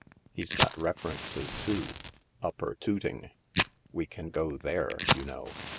He's got references too. Upper Tooting. We can go there, you know."